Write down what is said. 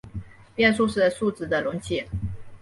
变数是数值的容器。